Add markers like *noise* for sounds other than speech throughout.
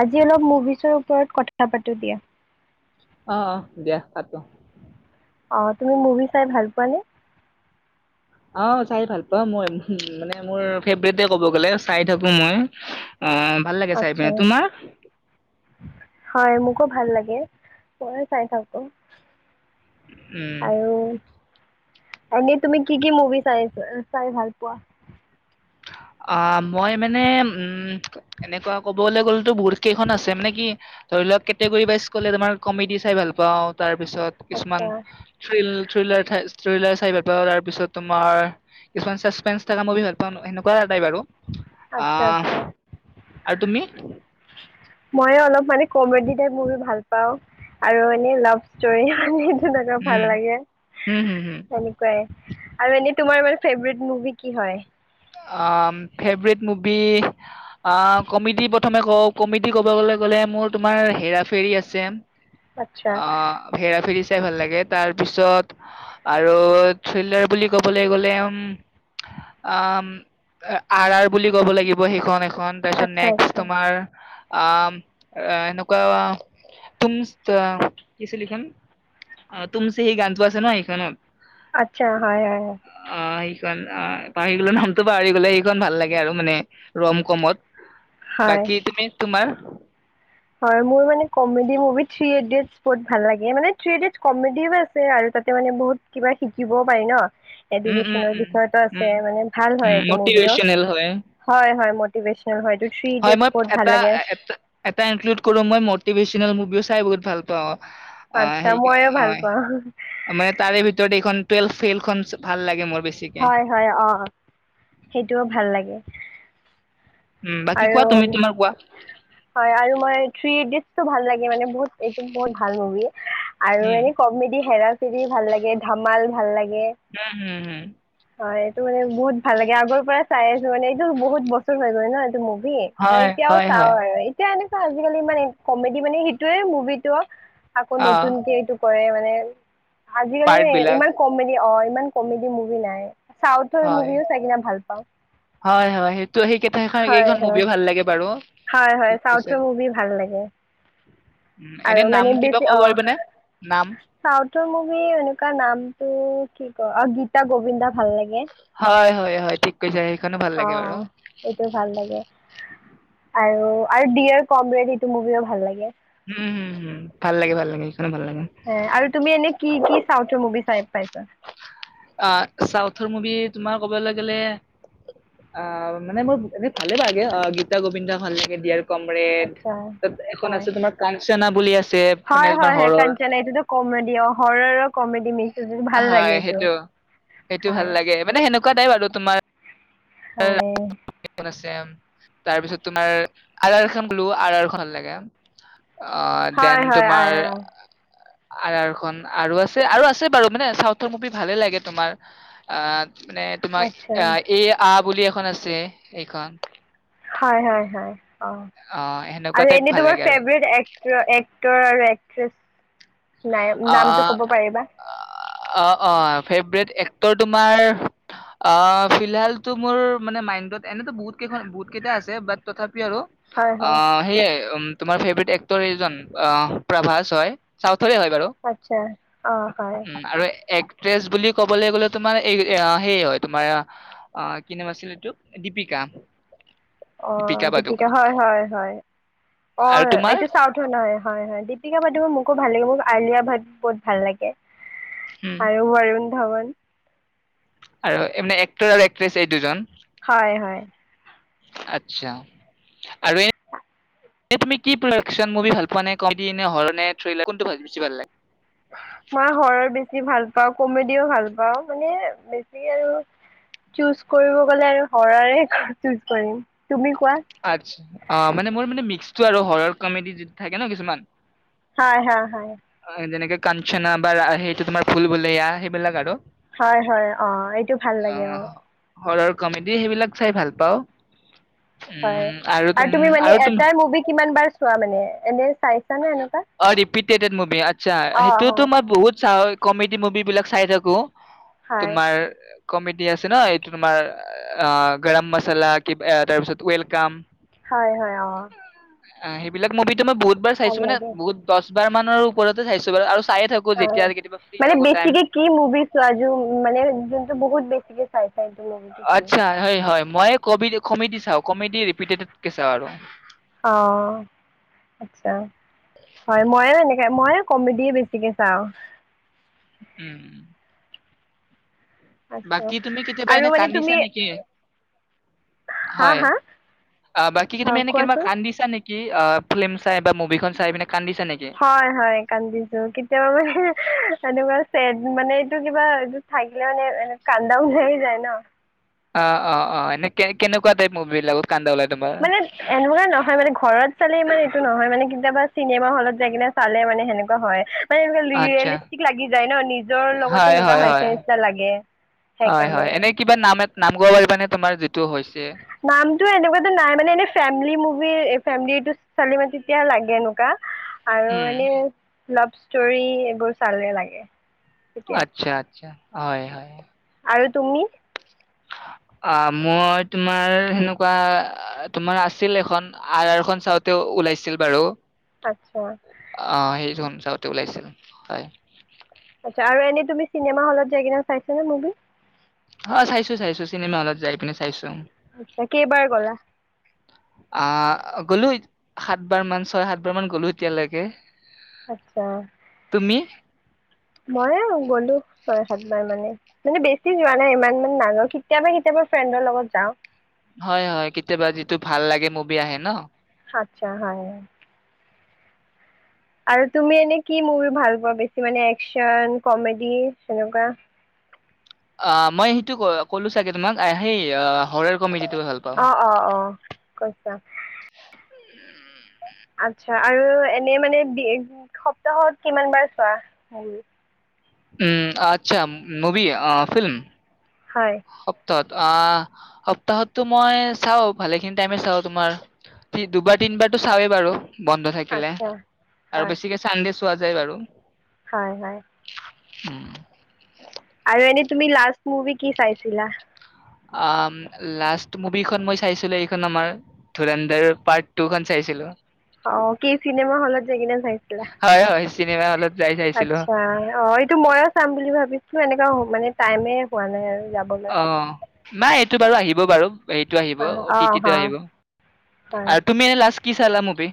আজি অলপ মুভিচৰ ওপৰত কথা পাতো দিয়া আহ আহ দিয়া পাতো অ, তুমি মুভি চাই ভাল পোৱানে। অ, চাই ভাল পোৱা মই মানে, মোৰ ফেভৰেট কব গলে চাই থাকো মই। অ, ভাল লাগে চাই আচ্ছা পিনে, তোমাৰ। হয় মোকো ভাল লাগে। মই চাই থাকো। উম। আৰু এনেই তুমি কি, কি মুভি চাই-চাই ভাল পোৱা। অ, মই মানে উম, এনেকুৱা কবলৈ গ'লেতো বহুত কেইখন আছে। মানে কি ধৰি লওক কেটেগৰী ৱাইজ ক'লে কমেডি চাই ভাল পাওঁ। তাৰপিছত কিছুমান আচ্ছা থ্ৰিল থ্ৰিলাৰ থিল্লৰ *unintelligible* চাই ভাল পাওঁ। তাৰ পিছত তোমাৰ কিছুমান চাচপেন্ থকা মুভি ভাল পাও। আছা, আচছা। আৰু তুমি মই অলপ মানে কমেডিত মোৰো ভাল পাও। আৰু এনেই লাভ ষ্টোৰী মানে তেনেকা ভাল উম লাগে, হম হম হম সেনেকুৱাই। আৰু এনেই তোমাৰ মানে ফেভৰেট মুভি কি হয়। আ ফেভৰেট মুভি অ, কমেডি। প্ৰথমে ক কমিডি ক'বলে গ'লে মোৰ তোমাৰ হেৰা ফেৰী আছে। আচ্ছা অ, হেৰা ফৰি চাই ভাল লাগে তাৰ তাৰ পিছত আৰু থ্ৰিলাৰ বুলি কবলৈ গ'লে উম আ, আৰআৰ বুলি ক'ব লাগিব সেইখন এখন তাৰপিছত আচ্ছা নেক্সট আচ্ছা তোমাৰ অ, সেনেকুৱা তুম কিছিল লিখন তুমচে হি গানটো আছে ন এখনত আচ্ছা, হয়, হয়। অ সেইখন অ পাহৰি গল নামটো পাহৰি গলে সেইখন ভাল লাগে, আৰু মানে ৰম কমত। হয় বাকী তুমি তোমাৰ? হয় মোৰ মানে কমেডি মুভি থ্ৰী ইডিয়েটছ বহুত ভাল লাগে মানে থ্ৰী ইডিয়েটছ কমেডিও আছে আৰু তাতে মানে বহুত কিবা শিকিবও পাৰি ন। উম উম এডুকেশ্বনৰ উম বিষয়েটো উম আছে ভাল হয় উম এইটো মুভিও মটিভেশ্যনেল হয় হয় হয়। মতিভেচনেল হয় এইটো থ্ৰি ইডিয়েটছ বৰ ভাল লাগে। তটা ইনক্লুড কৰো মই মটিভেশ্যনেল মুভিও চাই বহুত ভাল পাওঁ। অ, আচ্ছা সেই মইও অ ভাল পাওঁ মানে তাৰে ভিতৰত এইখন টুৱেলভ ফেইলখন ভাল লাগে মোৰ। বেছিকে হয়, হয়, অ, সেইটোও ভাল লাগে। উম বাকী আৰু কোৱা তুমি তোমাৰ কোৱা? হয়। আৰু মই থ্ৰী ইডিয়েটছ টো ভাল লাগে মানে বহুত বেছি। এইটো বহুত ভাল মুভি আৰু উম উম এনে কমেডি হেৰা ফেৰি ভাল লাগে ধামাল ভাল লাগে লাগে হম হম অ এইটো মানে বহুত ভাল লাগে আগৰ পৰাই চাই আছো মানে এইটো বহুত বছৰ হৈ গল ন এইটো ভি ত হয় এতিয়াও হয় চাও হয় আৰু এতিয়া এনেকুৱা আজিকালি মানে কমেডি মানে সেইটোৱে মুভিটো আকৌ অ নতুনকে এইটো কৰে মানে *inaudible* আজিকালি পাৰ্ট মানে বিলাক ইমান কমেডী অ ইমান কমেডি মুভি নাই চাউথৰ হয় মুভিও চাই কিনে ভাল পাওঁ হয় হয় সেইটো সেইকেইটা সেই হয় এইখন হয় মুভিয়ও ভাল লাগে বাৰু হয় হয় কৈছে চাউথৰ মুভি ভাল লাগে উম এনে আৰু নাম মানে কিবা বেছি ক'ব অঁ পাৰিবানে নাম চাউথৰ মুভি এনেকুৱা নামটো কি ক অঁ গীতা গোবিন্দ হয় হয় হয় ঠিক কৈছে সেইখনো ভাল অ লাগে বাৰু এইটো অঁ আৰু ডিয়াৰ কমৰেড এইটো মুভিও ভাল লাগে উম হুম হুম ভাল লাগে ভাল লাগে সেইখনো ভাল লাগে। আৰু তুমি এনে কি কি চাওঁতে মুভি চাই পাইছা অঁ চাউথৰ মুভি তোমাৰ কবলৈ গ'লে অ মানে মই এনে ভালে পাওঁগে অ গীতা গোবিন্দা ভাল লাগে দিয়াৰ আতছা হয় কাঞ্চনা বুলি আছে মানে হয় তোমাৰ হয় হৰৰ কাঞ্চনা এইটো কমেডি অঁ হৰৰ আৰু কমেডি মিক্স আছে ভাল লাগে হয় এইটো সেইটো সেইটো ভাল হয় লাগে মানে সেনেকুৱা কুৱা টাইপ আৰু তোমাৰ হয় তাৰ পিছত তোমাৰ আৰ আৰ খন বোলো আৰ আৰ খন ভাল লাগে অঁ দেন হয় তোমাৰ হয় আৰ আৰ খন আৰু আছে আৰু আছে বাৰু মানে চাউথৰ মুভি ভালে লাগে তোমাৰ আ মানে তোমাৰ আচ্ছা আঁ এই আঁ বুলি এখন আছে এইখন হয় হয় অঁ অ সেনেকুৱা আৰু টাইপ এনেই ভাল তোমাৰ লাগে আৰু ফেভৰেট একট এক্টৰ আৰু *unintelligible* নাই অ নামটো ক'ব পাৰিবা অ 'অ ফেভৰেট এক্টৰ তোমাৰ অ ফিলহাল টু মোৰ মানে মাইণ্ডত এনেতো বহুত কেইখন বহুত কেইটা আছে বাট তথাপিও আৰু হয় অ হয় সেইয় উ তোমাৰ ফেভাৰেট এক্টৰ এইজন অ প্ৰভাস হয় চাউথৰে হয় উ আচ্ছা অ হয় আৰু একট্ৰেছ বুলি ক ক'বলৈ গ'লে তোমাৰ এই সেইয় হয় তোমাৰ অ কি নাম আছিল এইটো দীপিকা অ দীপিকা হয় হয় হয় অ আৰু তোমাৰ এইটো চাও ধ নহয় হয় হয় দীপিকা পাডুকন মোক ব ভাল লাগে মোক আলিয়া ভাট বহুত ভাল লাগে উম আৰু বাৰ ধাৱন আৰু এ মানে এক্টৰ আৰু এক্ট্ৰেছ এই দুজন হয় হয় আচছা আৰু তুমি কি প্ৰডাকচন মুভি ভাল পোৱা নে কম নে হৰৰ নে থৱেলৰ কোনটো ভাল বেছি ভাল লাগে মই হৰৰ বেছি ভাল পাওঁ কমেডিও ভাল পাওঁ মানে বেছি আৰু চুজ কৰিব গলে আৰু হৰৰে চুজ কৰিম তুমি কোৱা আতছ অ মানে মোৰ মানে মিক্সটো আৰু হৰৰ কমেডি য থাকে ন কিছুমান হয় হয় আহ, যেনেকে কাঞ্চনা বা সেইটো তোমাৰ ভূল-ভূলাইয়া সেইবিলাক আৰু হয় হয় অ এইটো ভাল লাগে অ হৰৰ কমেডি সেইবিলাক চাই ভাল পাওঁ হয় উম তুম আৰু তুমি মানে তুম এটাই মুভি কিমান বাৰ চোৱা মানে এনে চাইছা নে এনেকুৱা *unintelligible* মুবি আত অ সেইটোতো হয় মই বহুত চাওঁ কমেডি মুভি বিলাক চাই থাকো হয় তোমাৰ কমেডি আছে ন এইটো তোমাৰ অ গৰম মচালা তাৰ পিছত ৱেলকাম হয় হয় অ অ সেইবিলাক মভিটো মই বহুতবাৰ ভাল চাইছো মানে লাগে বহুত বাৰ বাৰ মানৰ ওপৰতে চাইছো বাৰু আৰু চায়ে থাকো অ যেতিয়া কেতিয়াবা ফ্ৰী মানে থাকো টাইম বেছিকে কি মুভি চোৱা য মানে যোনটো বহুত বেছিকে চাইছা এইটো মুভিটো কি? আচ্ছা হয় হয় মই কবিৰ কমিদি চাওক কমেডি ৰিপিটেডড কে চাও আৰু অ আচ্ছা হয় মই এনেকৈ মইয়ে কমেডি বেছিকে চাওঁ উম উম আচ্ছা বাকী তুমি কেতিয়াবা আৰু এনে মানে কান্দিছা তুমি নেকি হা হয় হা বাকী অ তুমি কেনিবা কোৱাচোন? কান্দিছা নেকি কি অঁ ফিল্ম চাই বা মুভি খন চাই পিনে কান্দিছা নেকি হয় হয় কান্দিছো কেতিয়াবা মানে সেনেকুৱা চেট মানে এইটো কিবা এইটো থাকিলে মানে এ কান্দা ওলাই যায় ন অঁ অঁ অঁ এনে কে কেনেকুৱা টাইপ মুভি লগত মানে এনেকুৱা নহয় মানে ঘৰত চালে মানে এইটো নহয় মানে কেতিয়াবা চিনেমা হলত যাই কিনে চালে মানে সেনেকুৱা হয় মানে এনেুৱ আচ্ছা, ৰিয়েলিষ্টিক লাগি যায় ন নিজৰ লগত এনেকুৱা হয় চ নিচা লাগে হয়, সেইকাৰণে হয়, এনে কিবা নাম এ নাম ক'ব পাৰিবানে তোমাৰ যিটো হৈছে নামটো এনেকুৱাতে নাই মানে এনে ফেমিলি মু তুমি ফেমিলিটো চালি ম তেতিয়া লাগে এনেকুৱা আৰু উম, এনে লাভ ষ্টোৰি চালে এইবোৰ লাগে তেতিয়া আচ্ছা আচ্ছা হয় হয় আৰু তুমি অ মই তোমাৰ সেনেকুৱা তোমাৰ আছিল এখন আৰখন চাওঁতে ওলাইছিল বাৰু আচ্ছা অ সেইটো চাওঁতে ওলাইছিল হয় আচ্ছা আৰু এনেই তুমি চিনেমা হলত যাইপিলাই *unintelligible* চাইছ নে মুভি অ চাইছো চাইছো চিনেমা হলত যাই পিনে চাইছো আচ্ছা কেইবাৰ গলা আহ গ'লো সাতবাৰ মান ছয় সাত বাৰ মান গ'লো এতিয়ালৈকে আচ্ছা তুমি? মই গ'লো ছয় সাতবাৰ মানে মানে বেছি যোৱা নাই ইমান মানে মানুহৰ কেতিয়াবা কেতিয়াবা ফ্ৰেণ্ডৰ লগত যাওঁ হয় হয় কেতিয়াবা যিটো ভাল লাগে মুভি আহে ন আচ্ছা হয় আৰু তুমি এনে কি মুভি ভাল পোৱা বেছি মানে একচন কমেডি সেনেকুৱা অ মই সেইটো ক ক'লো চাগে তোমাক সেই অ অ অ অ কৈছা আচ্ছা আৰু এনে মানে সপ্তাহত কিমান বাৰ চোৱা উম আচ্ছা মুভি ফিল্ম হয় সপ্তাত অ সপ্তাহতো মই চাওঁ ভালেখিনি টাইমে চাওঁ তোমাৰ দুবাৰ তিনিবাৰতো চাওঁএই বাৰু বন্ধ থাকিলে আচ্ছা আৰু হয় বেছিকে চানডে চোৱা যায় বাৰু হয় হয় উম আৰু মান তুমি লাষ্ট মুভি কি চাইছিলা আ লাষ্ট মুভিখন মই চাইছিলো এইখন আমাৰ ধৰেন্দৰ পাৰ্ট টু খ চাইছিলো অ কি চিনেমা হলত য কিনে চাইছিলা হয়, হয় চিনেমা হলত যাই চাইছিলো আচছা অ এইটো ময়ো চাম বুলি ভাবিছো এনেক মানে টাইমে হোৱা নাই আৰু যাবলৈ অ'। নাই এইটো বাৰু আহিব বাৰু হেটো আহিব অঁ অঁ অতিথিটো আহিব হয় আৰু তুমি লাষ্ট কি চলামব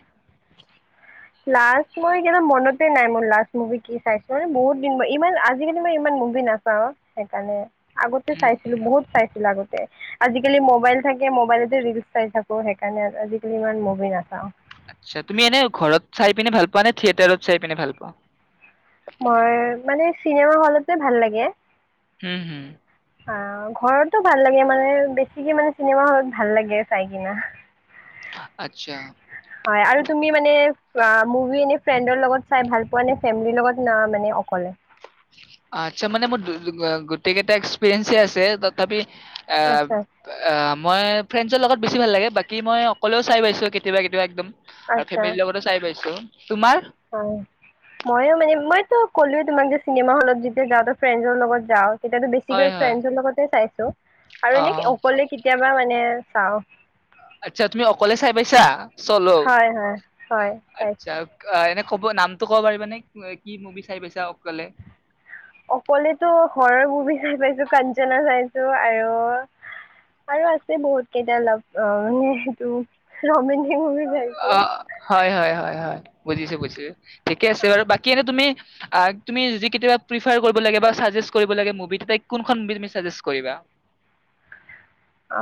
লাষ্ট মই কি মনতে নাই মোৰ লাষ্ট মুভি কি চাইছো মান বহুত দিন ইমান আজিকালি মই ইমান বুজি নাচাওঁ সেইকাৰণে আগতে উম। চাইছিলো বহুত চাইছিলো আগতে আজিকালি মবাইল থাকে মবাইলতে ৰিলচ চাই থাকো সেইকাৰণে আজিকালি ইমান মভি নাচাও আচ্ছা তুমি এনে ঘৰত চাই পিনে ভাল পা নে থিয়েটাৰত চাই পিনে ভাল পা মই মানে চিনেমা হলতে ভাল লাগে হম হম অ ঘৰতো ভাল লাগে মানে বেছিকে মানে চিনেমা হলত ভাল লাগে চাই কিনা আচ্ছা হয় আৰু তুমি মানে মুভি এনে ফ্ৰেণ্ডৰ লগত চাই ভাল পোৱা নে ফেমিলিৰ লগত না মানে অকলে আচ্ছা মানে মোৰ গোটেই কেইটা এক্সপিৰিয়েন্ঞ্চে আছে তথাপি আ আচ্ছা আহ মই ফ্ৰেণ্ডছৰ লগত বেছি ভাল লাগে বাকী মই অকলেও চাই পাইছো কেতিয়াবা কেতিয়া একদম আৰু ফেমিলিৰ লগতে চাই পাইছো তোমাৰ অ ময়ো মানে মইতো ক'লোয়ে তোমাক যে চিনেমা হলত যেতিয়া যাও ফ্ৰেণ্ডৰ লগত যাও এতিাতো বেছিকৈ হয়, হয়। ফ্ৰণ্ডছৰ লগতে চাই আৰু এনে অ', অকলে কেতিয়াবা মানে চও আচ্ছা তুমি অকলে চাই পাইছা চল হয় হয় হয় আচছা চাইছো এনে ক'ব নামতটো ক'ব পাৰিবা নে কি মুভি চাই পাইছা অকলে অকলেতো ঘৰৰ বমি চাই পাইছো কাঞ্চনা চাইছো আৰু আৰু আছে বহুত কেইটা অলপ অ মানে সেইটো ৰমন অ হয় হয় হয় হয় বুজিছো বুজিছো ঠিকে আছে বাৰু বাকী এনে তুমি তুমি য কেতিয়াবা প্ৰিফাৰ কৰিব লাগ বা কৰিব লাগে মুভি তাই কোনখন মু তুমি চাজেষ্ট কৰিবা অ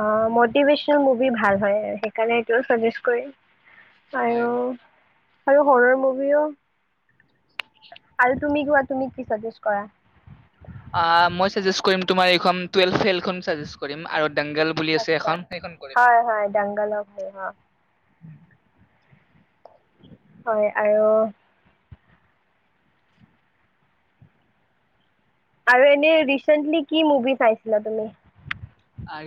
মিভেশল মুভি ভাল হয় সেইকাৰণাজ কৰিম আৰু হয় আৰু হৰুৰ মুভিও আৰু তুমি কোৱা তুমি কি চাজেষ্ট কৰা মই চাজেচেট কৰিম তোমাৰ এইখন টুওৱেলভ ফেইল খন দাংগল বুলি আছে আচছা এখন সেইখন কৰিম হয় হয় ডাংগালা ভাল হ উ হয় আৰু আৰু এনে ৰিচেন্টলি কি মুভি চাইছিলা তুমি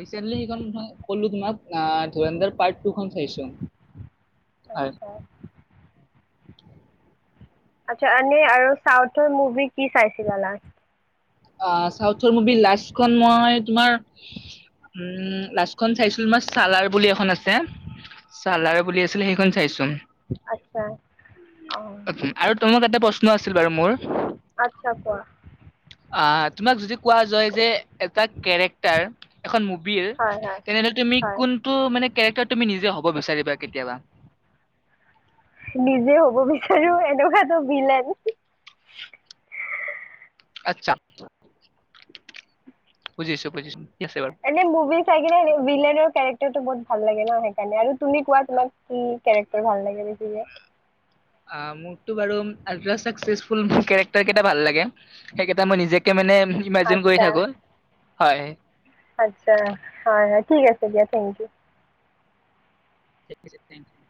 ৰিচেন্টলিএইখন পলো তোমাক ধুৰূধৰ পাৰ্ট টু খন চাইছো হয় আচ্ছা আচ্ছা এনে আৰু চাউথৰ মুভি কি চাইছিলা লা অ চাথৰ মুভি লাষ্টখন মই তোমাৰ উ লাষ্টখন চাইছিলো তোমাৰ চালাৰ বুলি এখন আছে চালাৰ বুলি আছিলে সেইখন চাইছো আচ্ছা অ আৰু তোমাক এটা প্ৰশ্ন আছিল বাৰু মোৰ আচ্ছা কোৱা অ তোমাক যদি কোৱা যায় যে এটা কেৰেক্টাৰ এখন মু হয় প্ৰিয়া হয় তেনেহলে তুমি হয় কোনটো মানে কেৰেক্টাৰ তুমি নিজে হ'ব বিচাৰিবা কেতিয়াবা নিজে হ'ব বিচাৰো এনেকুৱাতো বিলেন আচ্ছা বুজিছো বুজিছো ঠিক আছে বাৰু এনে মুভি চাইকিনে ভিলনৰ কেৰেক্টাৰ বহুত ভাল লাগে ন সেইকাৰণে আৰু তুমি কোৱা তোমাক কি কেৰেক্টাৰ ভাল লাগে বেছি অ মোৰতো বাৰু আল্টা চাকচেচফুল মানু্হ কেৰেক্টাৰ কেইটা ভাল লাগে সেইকেইটা মই নিজকে মানে ইমাজিন কৰি আচ্ছা থাকো হয় আচ্ছা হয় হয় ঠিক আছে দিয়া থেংক ইউ থিক আছে থেংক ইউ